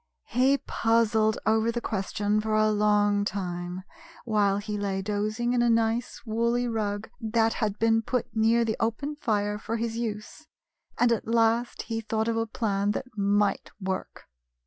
He puzzled over the question for a long time, while he lay dozing in a nice woolly rug that had been put near the open fire for his use, and at last he thought of a plan that might work.